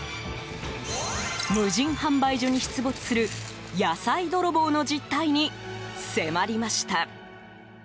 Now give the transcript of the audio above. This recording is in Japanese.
無人販売所に出没する野菜泥棒の実態に迫りました。